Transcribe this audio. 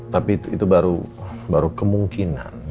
tapi itu baru kemungkinan